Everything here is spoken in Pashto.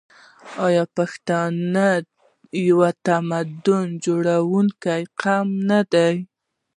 آیا پښتون یو تمدن جوړونکی قوم نه دی؟